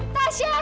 aku gak selingkuh